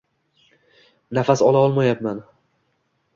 Nafas ola olmayapman.